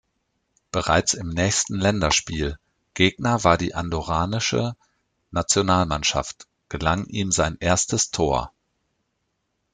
Bereits im nächsten Länderspiel, Gegner war die Andorranische Nationalmannschaft, gelang ihm sein erstes Tor.